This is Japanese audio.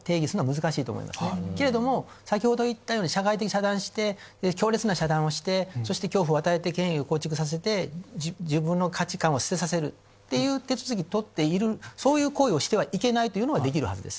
けれども先ほど言ったように社会的に遮断して強烈な遮断をしてそして恐怖を与えて権威を構築させて自分の価値観を捨てさせるという手続きを取っているそういう行為をしてはいけないというのはできるはずです。